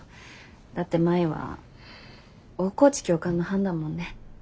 だって舞は大河内教官の班だもんね。